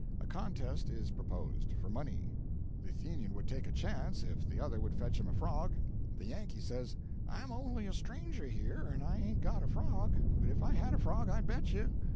A contest is proposed for money. The Athenian would take a chance 'if the other would fetch him a frog'; the Yankee says: 'I'm only a stranger here, and I ain't got a frog; but if I had a frog I'd bet you.'